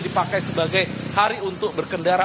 dipakai sebagai hari untuk berkendara